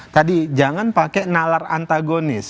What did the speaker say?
tadi jangan pakai nalar antagonis